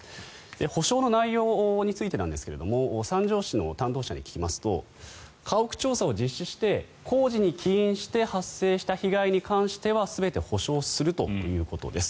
補償の内容についてなんですが三条市の担当者に聞きますと家屋調査を実施して工事に起因して発生した被害に関しては全て補償するということです。